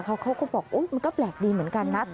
เขาก็บอกมันก็แปลกดีเหมือนกันนะ